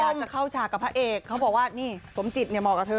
อยากจะเข้าฉากกับพระเอกเขาบอกว่าสมจิตเนี่ยมอบกับเธอ